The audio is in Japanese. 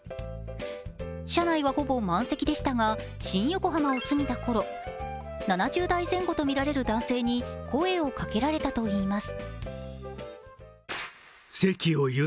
車内はほぼ満席でしたが新横浜を過ぎたころ７０代前後とみられる男性に声をかけられたといいます。